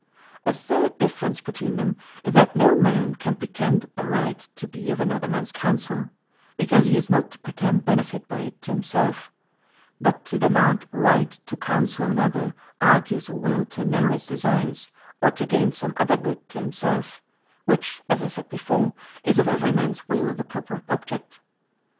A third difference between them is, that no man can pretend a right to be of another mans Counsell; because he is not to pretend benefit by it to himselfe; but to demand right to Counsell another, argues a will to know his designes, or to gain some other Good to himselfe; which (as I said before) is of every mans will the proper object.